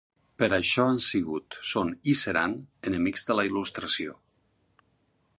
Per això han sigut, són i seran enemics de la Il·lustració.